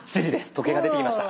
時計が出てきました。